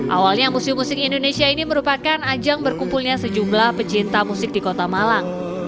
awalnya museum musik indonesia ini merupakan ajang berkumpulnya sejumlah pecinta musik di kota malang